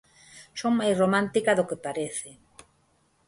Son máis romántica do que parece.